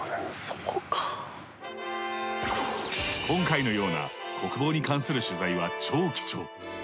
今回のような国防に関する取材は超貴重。